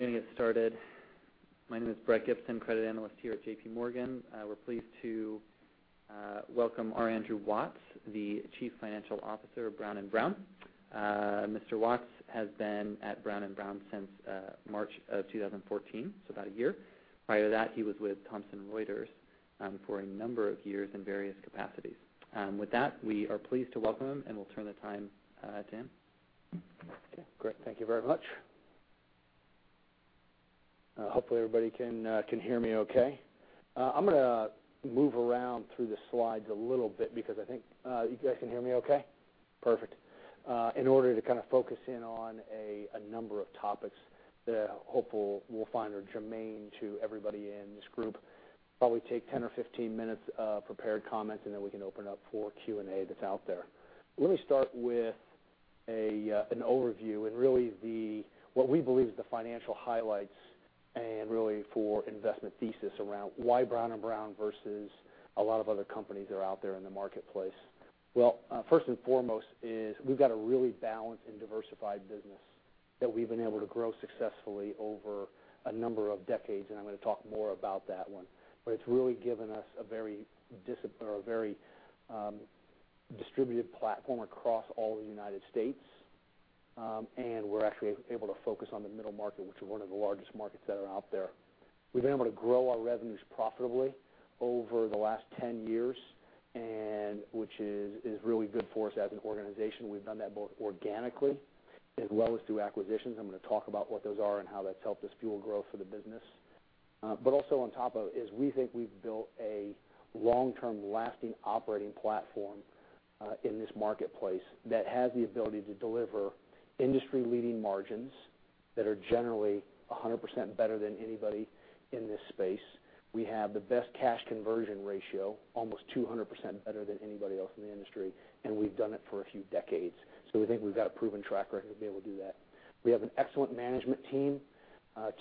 We're going to get started. My name is Brett Gibson, Credit Analyst here at JPMorgan. We're pleased to welcome R. Andrew Watts, the Chief Financial Officer of Brown & Brown. Mr. Watts has been at Brown & Brown since March of 2014, so about a year. Prior to that, he was with Thomson Reuters for a number of years in various capacities. With that, we are pleased to welcome him, and we'll turn the time to him. Okay, great. Thank you very much. Hopefully everybody can hear me okay. I'm going to move around through the slides a little bit because I think You guys can hear me okay? Perfect. In order to kind of focus in on a number of topics that I hope we'll find are germane to everybody in this group. Probably take 10 or 15 minutes of prepared comments, and then we can open up for Q&A that's out there. Let me start with an overview and really what we believe is the financial highlights and really for investment thesis around why Brown & Brown versus a lot of other companies that are out there in the marketplace. Well, first and foremost is we've got a really balanced and diversified business that we've been able to grow successfully over a number of decades, and I'm going to talk more about that one. It's really given us a very distributed platform across all of the U.S. We're actually able to focus on the middle market, which is one of the largest markets that are out there. We've been able to grow our revenues profitably over the last 10 years, which is really good for us as an organization. We've done that both organically as well as through acquisitions. I'm going to talk about what those are and how that's helped us fuel growth for the business. Also on top of it is we think we've built a long-term, lasting operating platform in this marketplace that has the ability to deliver industry-leading margins that are generally 100% better than anybody in this space. We have the best cash conversion ratio, almost 200% better than anybody else in the industry, and we've done it for a few decades. We think we've got a proven track record to be able to do that. We have an excellent management team.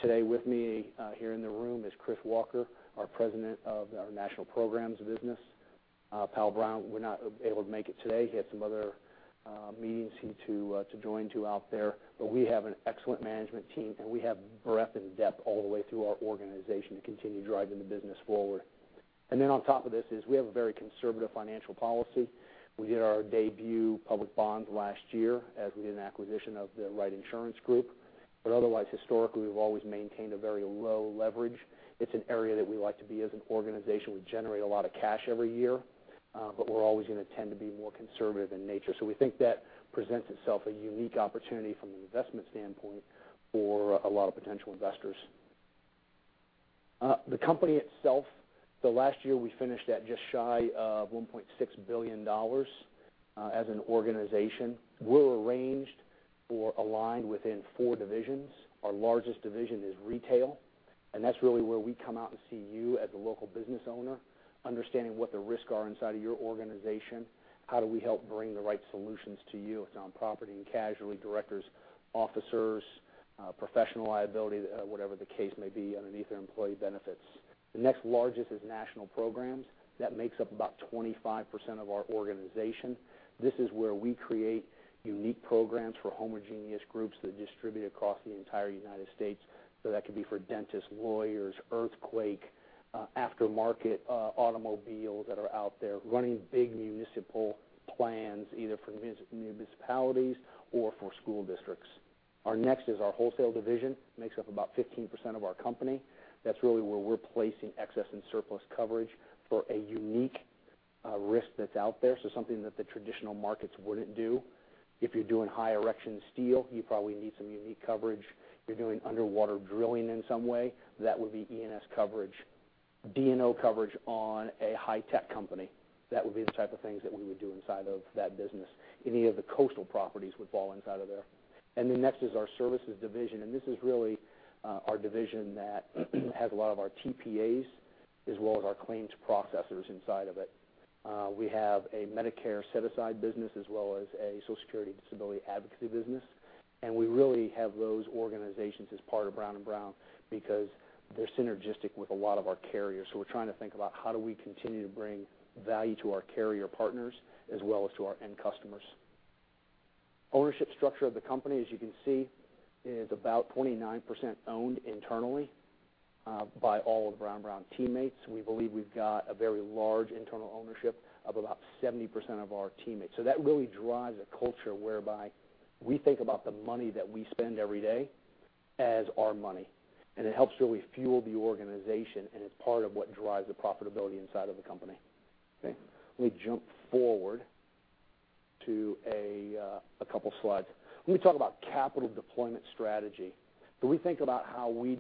Today with me here in the room is Chris Walker, our president of our National Programs business. Powell Brown was not able to make it today. He had some other meetings he had to join out there. We have an excellent management team, and we have breadth and depth all the way through our organization to continue driving the business forward. On top of this is we have a very conservative financial policy. We did our debut public bond last year as we did an acquisition of The Wright Insurance Group. Otherwise, historically, we've always maintained a very low leverage. It's an area that we like to be as an organization. We generate a lot of cash every year, but we're always going to tend to be more conservative in nature. We think that presents itself a unique opportunity from an investment standpoint for a lot of potential investors. The company itself, last year we finished at just shy of $1.6 billion as an organization. We're arranged or aligned within four divisions. Our largest division is retail, and that's really where we come out and see you as the local business owner, understanding what the risks are inside of your organization. How do we help bring the right solutions to you if it's on property and casualty, directors, officers, professional liability, whatever the case may be underneath our employee benefits. The next largest is National Programs. That makes up about 25% of our organization. This is where we create unique programs for homogeneous groups that distribute across the entire United States. That could be for dentists, lawyers, earthquake, aftermarket automobiles that are out there, running big municipal plans, either for municipalities or for school districts. Our next is our wholesale division. Makes up about 15% of our company. That's really where we're placing excess and surplus coverage for a unique risk that's out there. Something that the traditional markets wouldn't do. If you're doing high erection steel, you probably need some unique coverage. If you're doing underwater drilling in some way, that would be E&S coverage. D&O coverage on a high-tech company. That would be the type of things that we would do inside of that business. Any of the coastal properties would fall inside of there. Next is our services division, and this is really our division that has a lot of our TPAs as well as our claims processors inside of it. We have a Medicare set-aside business as well as a Social Security disability advocacy business, and we really have those organizations as part of Brown & Brown because they're synergistic with a lot of our carriers. We're trying to think about how do we continue to bring value to our carrier partners as well as to our end customers. Ownership structure of the company, as you can see, is about 29% owned internally by all of Brown & Brown teammates. We believe we've got a very large internal ownership of about 70% of our teammates. That really drives a culture whereby we think about the money that we spend every day as our money, and it helps really fuel the organization, and it's part of what drives the profitability inside of the company. Okay. Let me jump forward to a couple slides. Let me talk about capital deployment strategy. We think about how we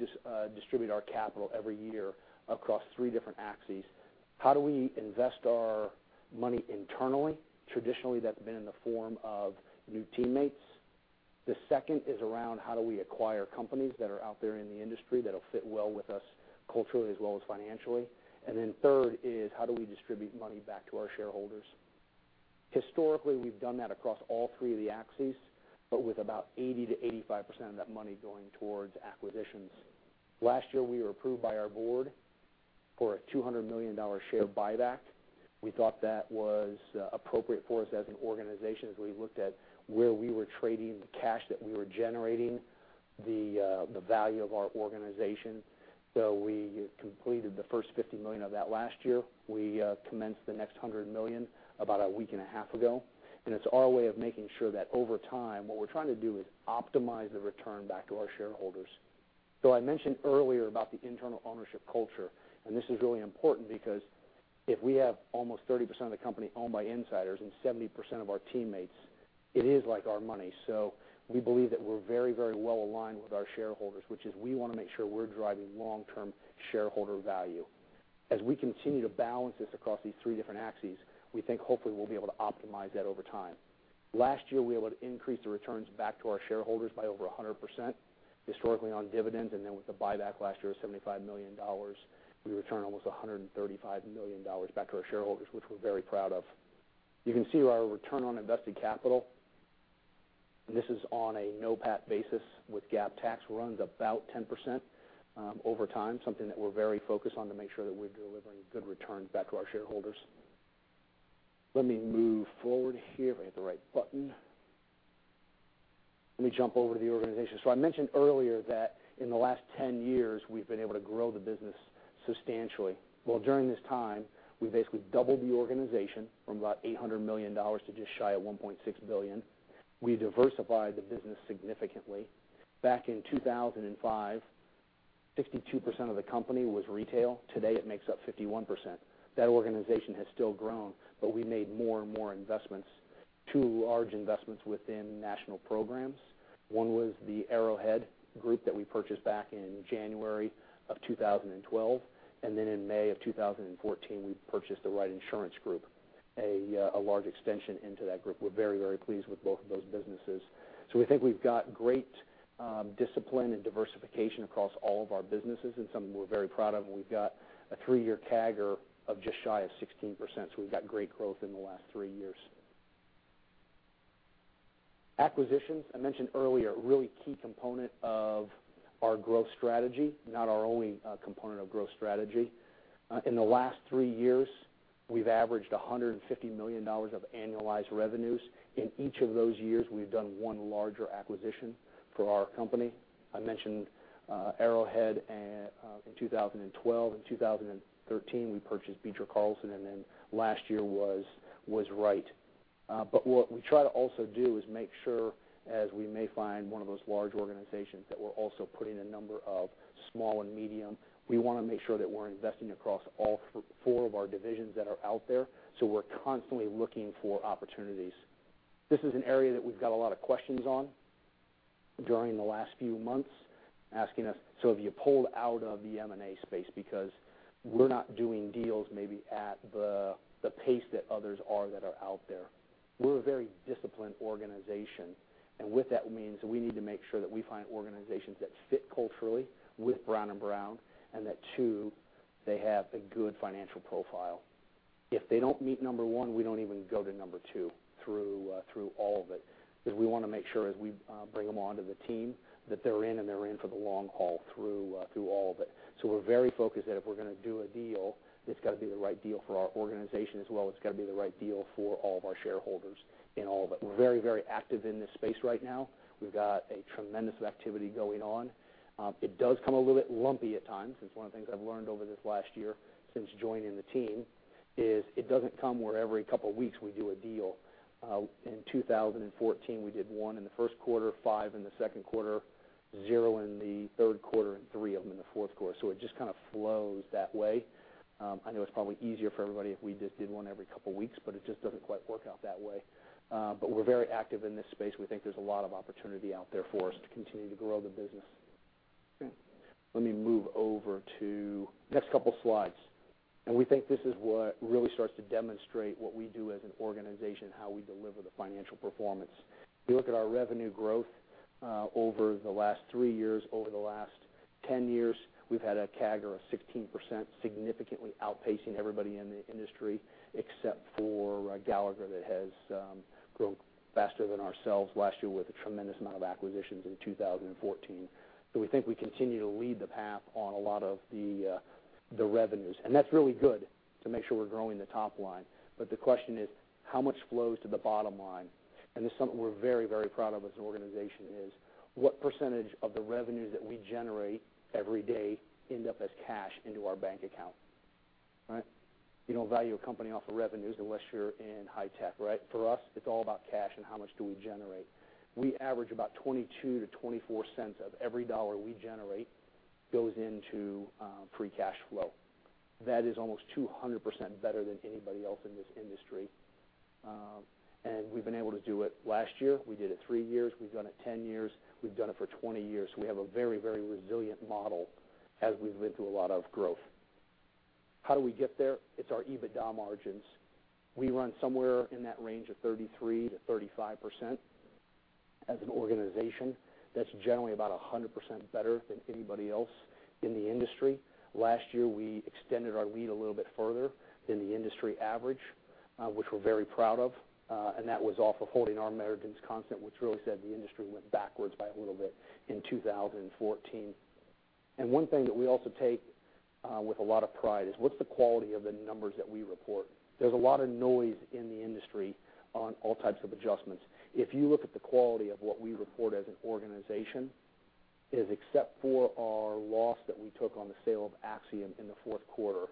distribute our capital every year across three different axes. How do we invest our money internally? Traditionally, that's been in the form of new teammates. The second is around how do we acquire companies that are out there in the industry that'll fit well with us culturally as well as financially. Third is how do we distribute money back to our shareholders. Historically, we've done that across all three of the axes, but with about 80% to 85% of that money going towards acquisitions. Last year, we were approved by our board for a $200 million share buyback. We thought that was appropriate for us as an organization, as we looked at where we were trading, the cash that we were generating, the value of our organization. We completed the first $50 million of that last year. We commenced the next $100 million about a week and a half ago. It's our way of making sure that over time, what we're trying to do is optimize the return back to our shareholders. I mentioned earlier about the internal ownership culture, and this is really important because if we have almost 30% of the company owned by insiders and 70% of our teammates, it is like our money. We believe that we're very well-aligned with our shareholders, which is we want to make sure we're driving long-term shareholder value. We continue to balance this across these three different axes, we think hopefully we'll be able to optimize that over time. Last year, we were able to increase the returns back to our shareholders by over 100%, historically on dividends, and then with the buyback last year of $75 million, we returned almost $135 million back to our shareholders, which we're very proud of. You can see our return on invested capital. This is on a NOPAT basis with GAAP tax runs about 10% over time, something that we're very focused on to make sure that we're delivering good returns back to our shareholders. Let me move forward here. If I hit the right button. Let me jump over to the organization. I mentioned earlier that in the last 10 years, we've been able to grow the business substantially. During this time, we basically doubled the organization from about $800 million to just shy of $1.6 billion. We diversified the business significantly. Back in 2005, 62% of the company was retail. Today, it makes up 51%. That organization has still grown, but we made more and more investments to large investments within National Programs. One was the Arrowhead group that we purchased back in January of 2012, and then in May of 2014, we purchased The Wright Insurance Group, a large extension into that group. We're very pleased with both of those businesses. We think we've got great discipline and diversification across all of our businesses and something we're very proud of. We've got a three-year CAGR of just shy of 16%, so we've got great growth in the last three years. Acquisitions, I mentioned earlier, a really key component of our growth strategy, not our only component of growth strategy. In the last three years, we've averaged $150 million of annualized revenues. In each of those years, we've done one larger acquisition for our company. I mentioned Arrowhead in 2012. In 2013, we purchased Beecher Carlson, and then last year was Wright. What we try to also do is make sure, as we may find one of those large organizations, that we're also putting a number of small and medium. We want to make sure that we're investing across all four of our divisions that are out there, we're constantly looking for opportunities. This is an area that we've got a lot of questions on during the last few months, asking us, "Have you pulled out of the M&A space?" because we're not doing deals maybe at the pace that others are that are out there. We're a very disciplined organization, and with that means we need to make sure that we find organizations that fit culturally with Brown & Brown and that, two, they have a good financial profile. If they don't meet number 1, we don't even go to number 2 through all of it, because we want to make sure as we bring them onto the team that they're in, and they're in for the long haul through all of it. We're very focused that if we're going to do a deal, it's got to be the right deal for our organization as well. It's got to be the right deal for all of our shareholders in all of it. We're very active in this space right now. We've got a tremendous activity going on. It does come a little bit lumpy at times. It's one of the things I've learned over this last year since joining the team, is it doesn't come where every couple of weeks we do a deal. In 2014, we did one in the first quarter, five in the second quarter, zero in the third quarter, and three of them in the fourth quarter. It just kind of flows that way. I know it's probably easier for everybody if we just did one every couple of weeks, it just doesn't quite work out that way. We're very active in this space. We think there's a lot of opportunity out there for us to continue to grow the business. Let me move over to the next couple of slides. We think this is what really starts to demonstrate what we do as an organization, how we deliver the financial performance. If you look at our revenue growth over the last three years, over the last 10 years, we've had a CAGR of 16%, significantly outpacing everybody in the industry, except for Gallagher, that has grown faster than ourselves last year with a tremendous amount of acquisitions in 2014. We think we continue to lead the path on a lot of the revenues, and that's really good to make sure we're growing the top line. The question is, how much flows to the bottom line? This is something we're very proud of as an organization, is what percentage of the revenues that we generate every day end up as cash into our bank account, right? You don't value a company off of revenues unless you're in high tech, right? For us, it's all about cash and how much do we generate. We average about $0.22 to $0.24 of every dollar we generate goes into free cash flow. That is almost 200% better than anybody else in this industry. We've been able to do it last year. We did it three years. We've done it 10 years. We've done it for 20 years. We have a very resilient model as we've been through a lot of growth. How do we get there? It's our EBITDA margins. We run somewhere in that range of 33%-35%. As an organization, that's generally about 100% better than anybody else in the industry. Last year, we extended our lead a little bit further than the industry average, which we're very proud of. That was off of holding our Americans constant, which really said the industry went backwards by a little bit in 2014. One thing that we also take with a lot of pride is, what's the quality of the numbers that we report? There's a lot of noise in the industry on all types of adjustments. If you look at the quality of what we report as an organization, is except for our loss that we took on the sale of Axiom Re in the fourth quarter,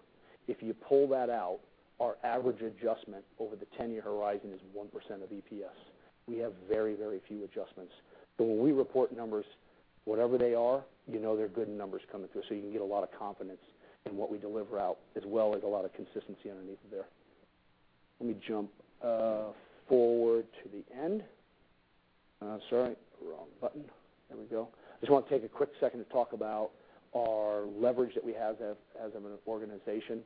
if you pull that out, our average adjustment over the 10-year horizon is 1% of EPS. We have very few adjustments. When we report numbers, whatever they are, you know they're good numbers coming through, you can get a lot of confidence in what we deliver out, as well as a lot of consistency underneath of there. Let me jump forward to the end. Sorry, wrong button. There we go. I just want to take a quick second to talk about our leverage that we have as an organization.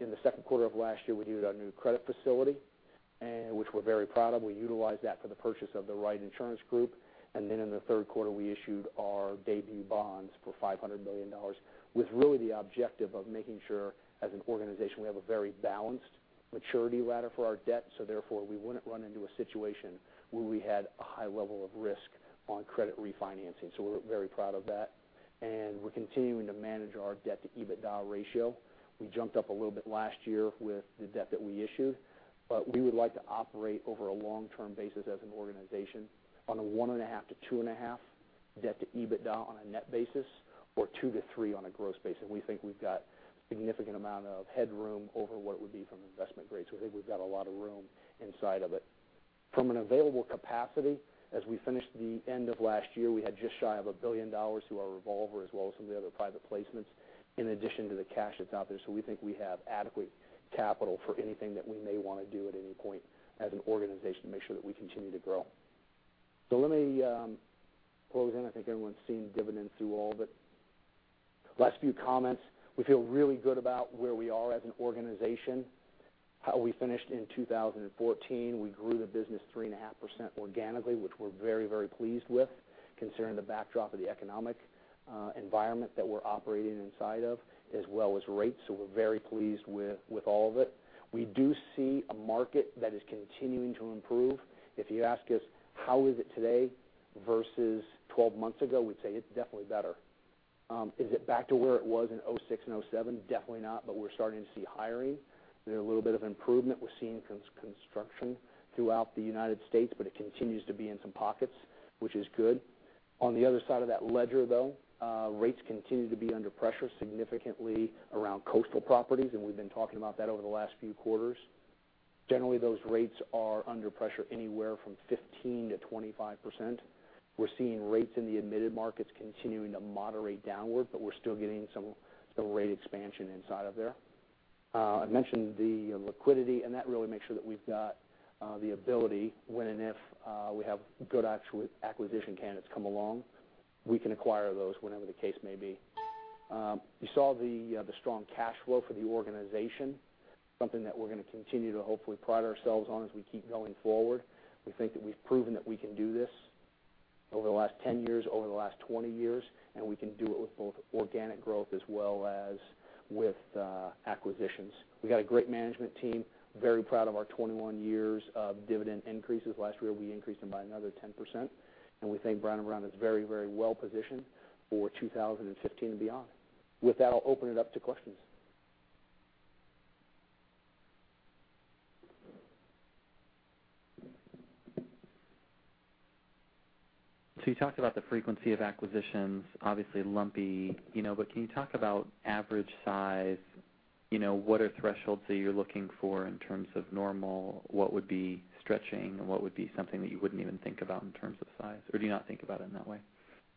In the second quarter of last year, we did our new credit facility, which we're very proud of. We utilized that for the purchase of The Wright Insurance Group. In the third quarter, we issued our debut bonds for $500 million, with really the objective of making sure, as an organization, we have a very balanced maturity ladder for our debt, therefore, we wouldn't run into a situation where we had a high level of risk on credit refinancing. We're very proud of that. We're continuing to manage our debt-to-EBITDA ratio. We jumped up a little bit last year with the debt that we issued, but we would like to operate over a long-term basis as an organization on a 1.5, 2.5 debt-to-EBITDA on a net basis or 2 to 3 on a gross basis. We think we've got significant amount of headroom over what would be from investment grade, we think we've got a lot of room inside of it. From an available capacity, as we finished the end of last year, we had just shy of a billion dollars through our revolver, as well as some of the other private placements, in addition to the cash that's out there. We think we have adequate capital for anything that we may want to do at any point as an organization to make sure that we continue to grow. Let me close in. I think everyone's seen the dividend through all of it. Last few comments. We feel really good about where we are as an organization, how we finished in 2014. We grew the business 3.5% organically, which we're very pleased with, considering the backdrop of the economic environment that we're operating inside of, as well as rates. We're very pleased with all of it. We do see a market that is continuing to improve. If you ask us, how is it today versus 12 months ago, we'd say it's definitely better. Is it back to where it was in 2006 and 2007? Definitely not, but we're starting to see hiring. There's a little bit of improvement. We're seeing construction throughout the United States, but it continues to be in some pockets, which is good. On the other side of that ledger, though, rates continue to be under pressure significantly around coastal properties, and we've been talking about that over the last few quarters. Generally, those rates are under pressure anywhere from 15% to 25%. We're seeing rates in the admitted markets continuing to moderate downward, but we're still getting some rate expansion inside of there. I mentioned the liquidity, and that really makes sure that we've got the ability when and if we have good acquisition candidates come along, we can acquire those whenever the case may be. You saw the strong cash flow for the organization, something that we're going to continue to hopefully pride ourselves on as we keep going forward. We think that we've proven that we can do this over the last 10 years, over the last 20 years, and we can do it with both organic growth as well as with acquisitions. We've got a great management team. Very proud of our 21 years of dividend increases. Last year, we increased them by another 10%, and we think Brown & Brown is very well positioned for 2015 and beyond. With that, I'll open it up to questions. You talked about the frequency of acquisitions, obviously lumpy. Can you talk about average size? What are thresholds that you're looking for in terms of normal? What would be stretching, and what would be something that you wouldn't even think about in terms of size? Do you not think about it in that way?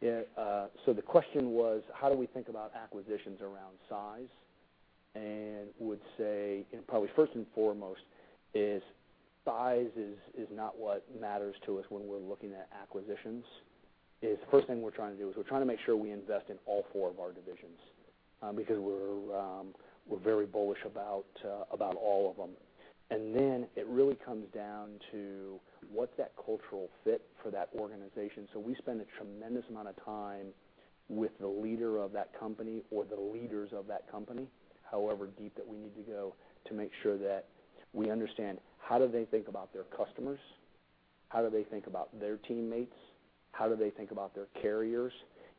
Yeah. The question was, how do we think about acquisitions around size? Would say, probably first and foremost, is size is not what matters to us when we're looking at acquisitions. First thing we're trying to do is we're trying to make sure we invest in all four of our divisions, because we're very bullish about all of them. Then it really comes down to, what's that cultural fit for that organization? We spend a tremendous amount of time with the leader of that company or the leaders of that company, however deep that we need to go, to make sure that we understand how do they think about their customers, how do they think about their teammates, how do they think about their carriers,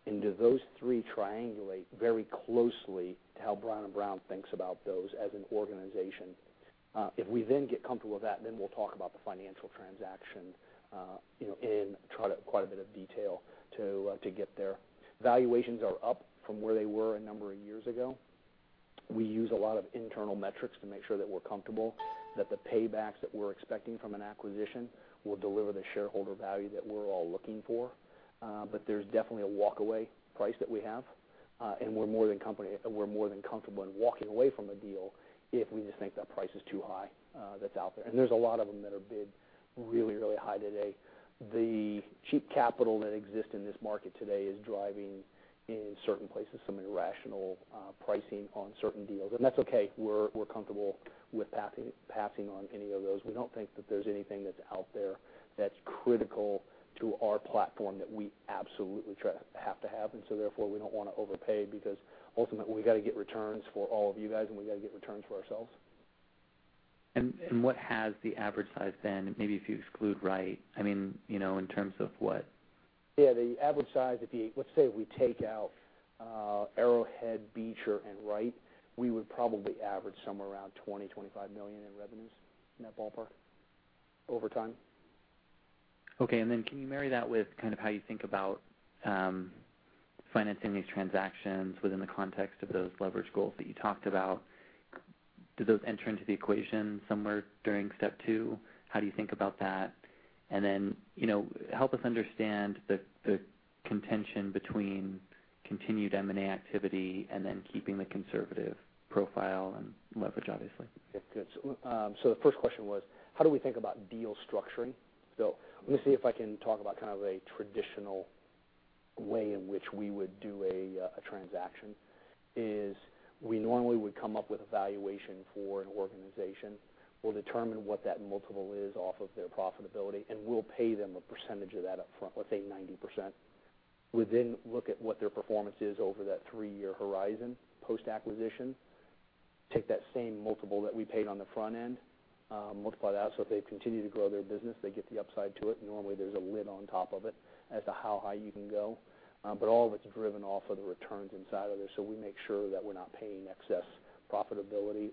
and do those three triangulate very closely to how Brown & Brown thinks about those as an organization? If we get comfortable with that, we'll talk about the financial transaction in quite a bit of detail to get there. Valuations are up from where they were a number of years ago. We use a lot of internal metrics to make sure that we're comfortable that the paybacks that we're expecting from an acquisition will deliver the shareholder value that we're all looking for. There's definitely a walk-away price that we have, and we're more than comfortable in walking away from a deal if we just think that price is too high that's out there. There's a lot of them that are bid really high today. The cheap capital that exists in this market today is driving, in certain places, some irrational pricing on certain deals. That's okay. We're comfortable with passing on any of those. We don't think that there's anything that's out there that's critical to our platform that we absolutely have to have. Therefore, we don't want to overpay because ultimately, we got to get returns for all of you guys, and we got to get returns for ourselves. What has the average size been? Maybe if you exclude Wright, in terms of what- Yeah, the average size, let's say we take out Arrowhead, Beecher, and Wright, we would probably average somewhere around $20 million to $25 million in revenues, in that ballpark, over time. Okay. Can you marry that with how you think about financing these transactions within the context of those leverage goals that you talked about? Do those enter into the equation somewhere during step two? How do you think about that? Help us understand the contention between continued M&A activity and then keeping the conservative profile and leverage, obviously. Yeah, good. The first question was, how do we think about deal structuring? I'm going to see if I can talk about a traditional way in which we would do a transaction, is we normally would come up with a valuation for an organization. We'll determine what that multiple is off of their profitability, and we'll pay them a percentage of that up front, let's say 90%. We then look at what their performance is over that three-year horizon post-acquisition, take that same multiple that we paid on the front end, multiply that out so if they continue to grow their business, they get the upside to it. Normally there's a lid on top of it as to how high you can go. All of it's driven off of the returns inside of there. We make sure that we're not paying excess profitability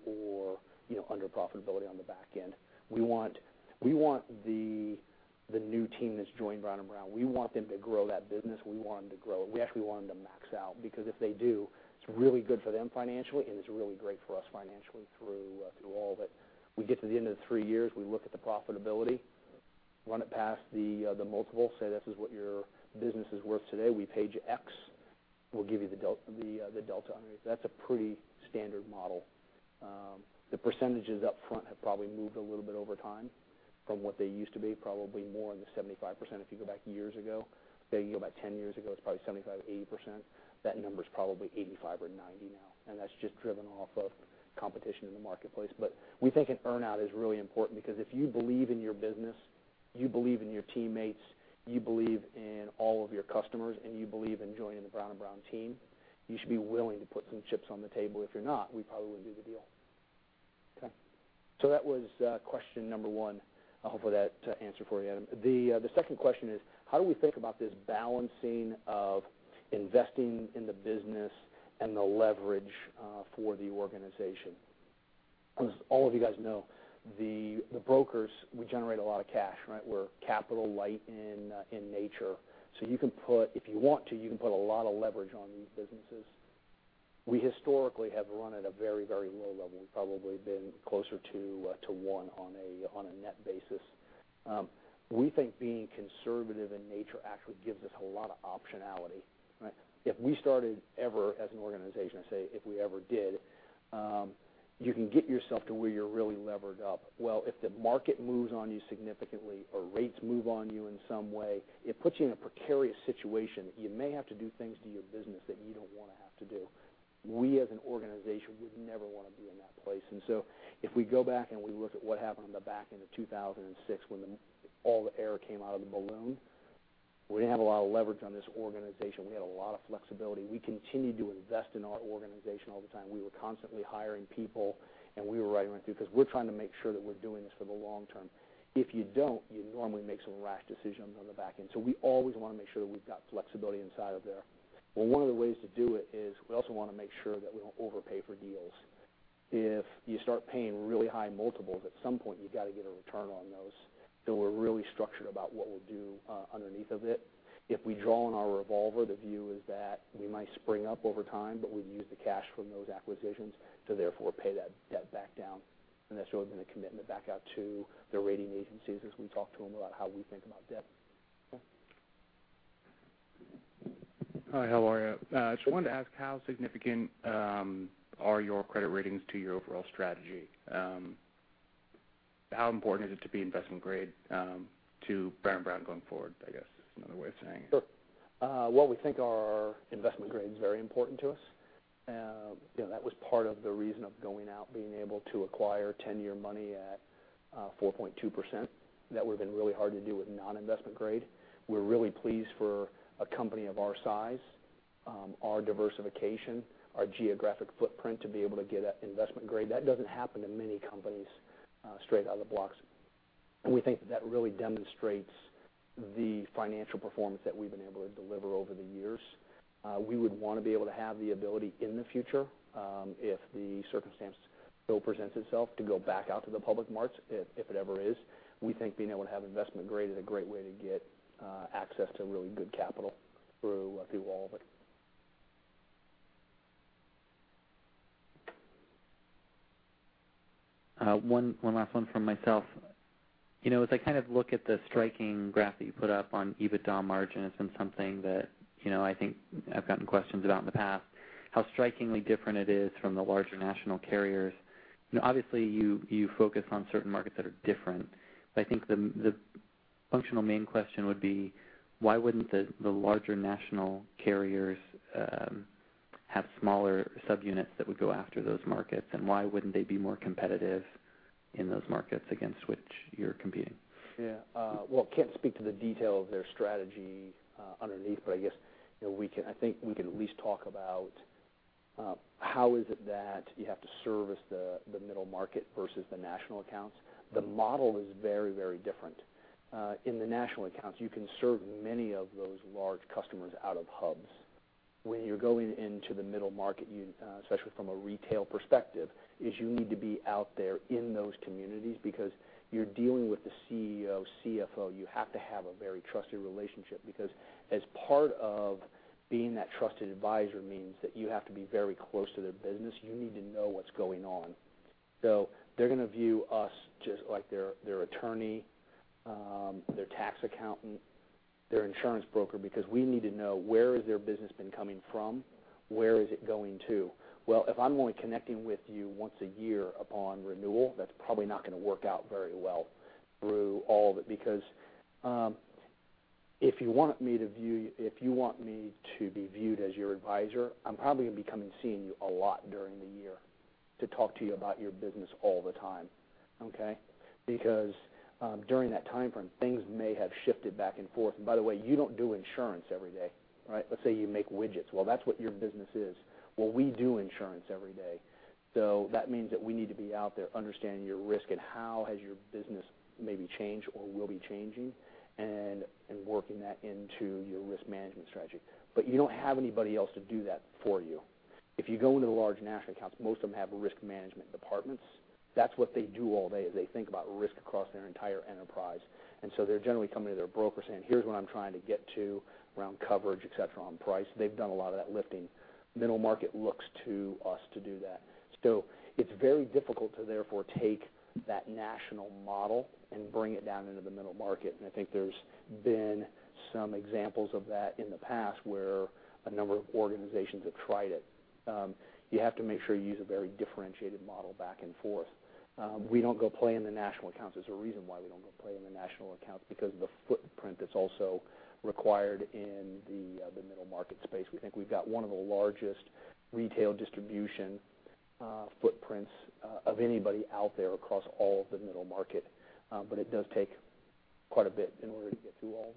or underprofitability on the back end. We want the new team that's joined Brown & Brown, we want them to grow that business. We actually want them to max out, because if they do, it's really good for them financially, and it's really great for us financially through all of it. We get to the end of the three years, we look at the profitability, run it past the multiple, say, "This is what your business is worth today. We pay you X. We'll give you the delta underneath." That's a pretty standard model. The percentages up front have probably moved a little bit over time from what they used to be, probably more in the 75% if you go back years ago. Say you go back 10 years ago, it's probably 75%, 80%. That number's probably 85 or 90 now, that's just driven off of competition in the marketplace. We think an earn-out is really important, because if you believe in your business, you believe in your teammates, you believe in all of your customers, and you believe in joining the Brown & Brown team, you should be willing to put some chips on the table. If you're not, we probably wouldn't do the deal. Okay. That was question number one. I hope that answered for you, Adam. The second question is: how do we think about this balancing of investing in the business and the leverage for the organization? As all of you guys know, the brokers, we generate a lot of cash, right? We're capital light in nature. If you want to, you can put a lot of leverage on these businesses. We historically have run at a very low level. We've probably been closer to one on a net basis. We think being conservative in nature actually gives us a lot of optionality, right? If we started ever as an organization, say, if we ever did, you can get yourself to where you're really levered up. If the market moves on you significantly or rates move on you in some way, it puts you in a precarious situation. You may have to do things to your business that you don't want to have to do. We, as an organization, would never want to be in that place. If we go back and we look at what happened on the back end of 2006 when all the air came out of the balloon, we didn't have a lot of leverage on this organization. We had a lot of flexibility. We continued to invest in our organization all the time. We were constantly hiring people, and we were right around through, because we're trying to make sure that we're doing this for the long term. If you don't, you normally make some rash decisions on the back end. We always want to make sure that we've got flexibility inside of there. Well, one of the ways to do it is we also want to make sure that we don't overpay for deals. If you start paying really high multiples, at some point, you've got to get a return on those. We're really structured about what we'll do underneath of it. If we draw on our revolver, the view is that we might spring up over time, but we've used the cash from those acquisitions to therefore pay that debt back down. That's really been a commitment back out to the rating agencies as we talk to them about how we think about debt. Okay. Hi, how are you? Just wanted to ask how significant are your credit ratings to your overall strategy? How important is it to be investment grade to Brown & Brown going forward, I guess is another way of saying it. Sure. Well, we think our investment grade is very important to us. That was part of the reason of going out, being able to acquire 10-year money at 4.2%. That would've been really hard to do with non-investment grade. We're really pleased for a company of our size, our diversification, our geographic footprint, to be able to get investment grade. That doesn't happen to many companies straight out of the blocks. We think that really demonstrates the financial performance that we've been able to deliver over the years. We would want to be able to have the ability in the future, if the circumstance still presents itself, to go back out to the public markets if it ever is. We think being able to have investment grade is a great way to get access to really good capital through all of it. One last one from myself. As I look at the striking graph that you put up on EBITDA margin, it's been something that I think I've gotten questions about in the past, how strikingly different it is from the larger national carriers. Obviously, you focus on certain markets that are different. I think the functional main question would be, why wouldn't the larger national carriers have smaller subunits that would go after those markets, and why wouldn't they be more competitive in those markets against which you're competing? Yeah. Well, can't speak to the detail of their strategy underneath, but I guess I think we can at least talk about how is it that you have to service the middle market versus the national accounts? The model is very different. In the national accounts, you can serve many of those large customers out of hubs. When you're going into the middle market, especially from a retail perspective, you need to be out there in those communities because you're dealing with the CEO, CFO. You have to have a very trusted relationship because as part of being that trusted advisor means that you have to be very close to their business. You need to know what's going on. They're going to view us just like their attorney, their tax accountant, their insurance broker, because we need to know where has their business been coming from, where is it going to. Well, if I'm only connecting with you once a year upon renewal, that's probably not going to work out very well through all of it because if you want me to be viewed as your advisor, I'm probably going to be coming seeing you a lot during the year to talk to you about your business all the time. Okay? Because during that timeframe, things may have shifted back and forth. By the way, you don't do insurance every day, right? Let's say you make widgets. Well, that's what your business is. Well, we do insurance every day. That means that we need to be out there understanding your risk and how has your business maybe changed or will be changing and working that into your risk management strategy. You don't have anybody else to do that for you. If you go into the large national accounts, most of them have risk management departments. That's what they do all day, is they think about risk across their entire enterprise. They're generally coming to their broker saying, "Here's what I'm trying to get to around coverage, et cetera, on price." They've done a lot of that lifting. Middle market looks to us to do that. It's very difficult to therefore take that national model and bring it down into the middle market, and I think there's been some examples of that in the past where a number of organizations have tried it. You have to make sure you use a very differentiated model back and forth. We don't go play in the national accounts. There's a reason why we don't go play in the national accounts because of the footprint that's also required in the middle market space. We think we've got one of the largest retail distribution footprints of anybody out there across all of the middle market. It does take quite a bit in order to get through all of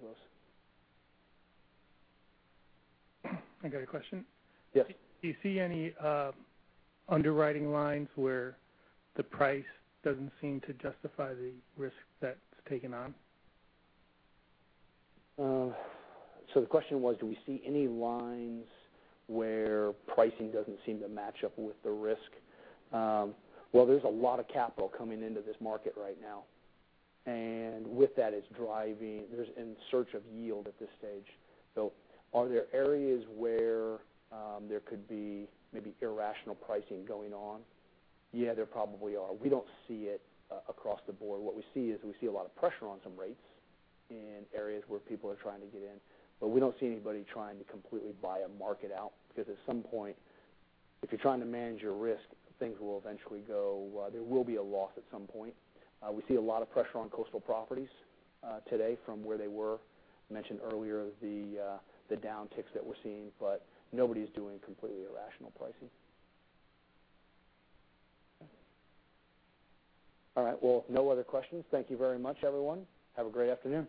those. I got a question. Yes. Do you see any underwriting lines where the price doesn't seem to justify the risk that's taken on? The question was, do we see any lines where pricing doesn't seem to match up with the risk? Well, there's a lot of capital coming into this market right now, and with that, it's in search of yield at this stage. Are there areas where there could be maybe irrational pricing going on? Yeah, there probably are. We don't see it across the board. What we see is we see a lot of pressure on some rates in areas where people are trying to get in. We don't see anybody trying to completely buy a market out because at some point, if you're trying to manage your risk, there will be a loss at some point. We see a lot of pressure on coastal properties today from where they were. Mentioned earlier the downticks that we're seeing, but nobody's doing completely irrational pricing. All right. Well, no other questions. Thank you very much, everyone. Have a great afternoon.